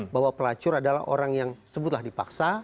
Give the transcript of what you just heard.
bahwa pelacur adalah orang yang sebutlah dipaksa